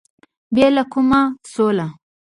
بې له کوم سواله